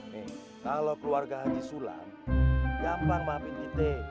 nih kalau keluarga haji sulam gampang maafin ide